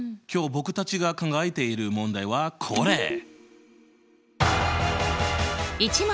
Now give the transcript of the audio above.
今日僕たちが考えている問題はこれ！